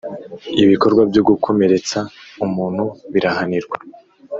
ibikorwa byo gukomeretsa umuntu birahanirwa